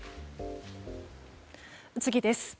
次です。